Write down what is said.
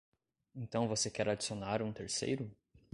Então você quer adicionar um terceiro?